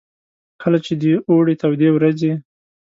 کله چې د اوړې تودې ورځې.